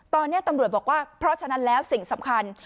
ตอนนี้ตำรวจบอกว่าเพราะฉะนั้นแล้วสิ่งสำคัญ